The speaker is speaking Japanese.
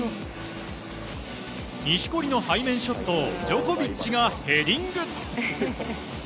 錦織の背面ショットをジョコビッチがヘディング。